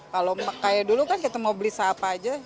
kalau kayak dulu kan kita mau beli sahapa aja